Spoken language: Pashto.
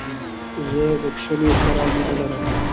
زه د کښلو سره مینه لرم.